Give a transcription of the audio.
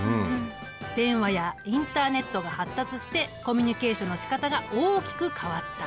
電話やインターネットが発達してコミュニケーションのしかたが大きく変わった。